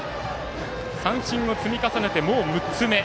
三振を積み重ねてもう６個目。